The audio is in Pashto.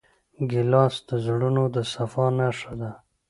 ګیلاس د زړونو د صفا نښه ده.